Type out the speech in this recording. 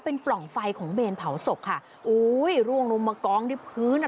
เป็นปล่องไฟของเมนเผาศพค่ะโอ้ยร่วงลงมากองที่พื้นอ่ะ